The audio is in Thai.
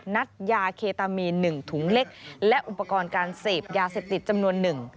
นัดยาเคตามีน๑ถุงเล็กและอุปกรณ์การเสพยาเสพติดจำนวนหนึ่ง